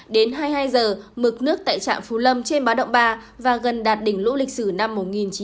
đến hai mươi hai h mực nước tại trạm phú lâm trên báo động ba và gần đạt đỉnh lũ lịch sử năm một nghìn chín trăm bảy mươi